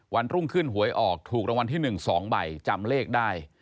วันรุ่งขึ้นหวยออกถูกรางวัลที่๑๒ใบจำเลขได้